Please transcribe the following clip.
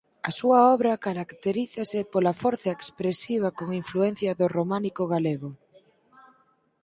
A súa obra caracterízase pola forza expresiva con influencia do románico galego.